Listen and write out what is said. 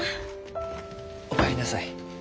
お帰りなさい。